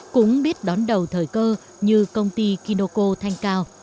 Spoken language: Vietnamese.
cũng biết đón đầu thời cơ như công ty kinoko thanh cao